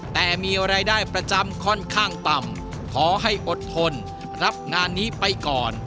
แต่มีรายได้ประจำค่อนข้างต่ำขอให้อดทนรับงานนี้ไปก่อน